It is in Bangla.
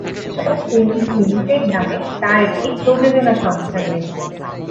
উজ্জ্বল ফিল্মস লিমিটেড নামে তার একটি প্রযোজনা সংস্থা রয়েছে।